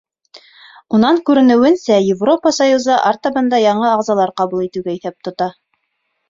Унан күренеүенсә, Европа союзы артабан да яңы ағзалар ҡабул итеүгә иҫәп тота.